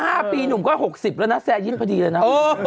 ๕ปีหนุ่มก็๖๐แล้วนะแซร์ยิ้มพอดีเลยนะ